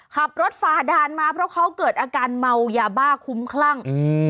ฝ่าด่านมาเพราะเขาเกิดอาการเมายาบ้าคุ้มคลั่ง